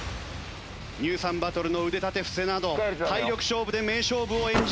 乳酸バトルの腕立て伏せなど体力勝負で名勝負を演じてきた。